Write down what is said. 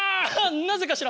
なぜかしら？